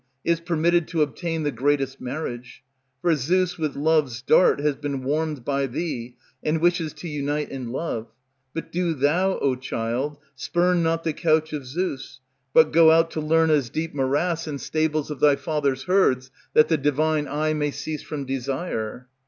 is permitted to obtain The greatest marriage. For Zeus with love's dart Has been warmed by thee, and wishes to unite In love; but do thou, O child, spurn not the couch Of Zeus, but go out to Lerna's deep Morass, and stables of thy father's herds, That the divine eye may cease from desire."